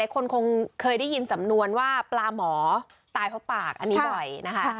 คนคงเคยได้ยินสำนวนว่าปลาหมอตายเพราะปากอันนี้บ่อยนะคะ